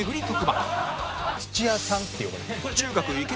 土屋さんって呼ばれる。